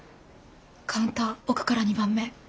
カウンター奥から２番目。